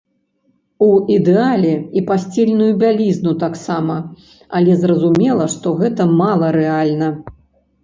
У ідэале, і пасцельную бялізну таксама, але зразумела, што гэта маларэальна.